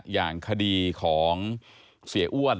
อย่างคดีของเสียอ้วน